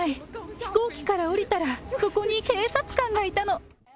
飛行機から降りたら、そこに警察官がいたの。